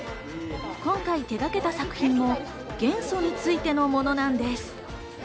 今回手がけた作品も元素についてのものなんです。